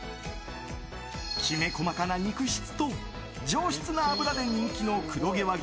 きめ細かな肉質と上質な脂で人気の黒毛和牛